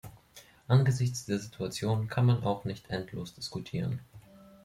Angesichts der Situation kann man auch nicht endlos diskutieren.